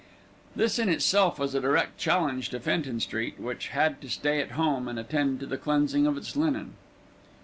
This in itself was a direct challenge to Fenton Street, which had to stay at home and attend to the cleansing of its linen.